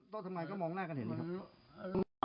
ทำไมก็มองหน้ากันเห็นไหมครับ